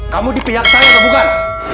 kamu di pihak saya bukan